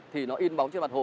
thì nó in bóng trên mặt hồ